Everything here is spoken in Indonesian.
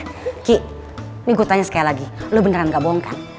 kiki ini gue tanya sekali lagi lu beneran nggak bohong kan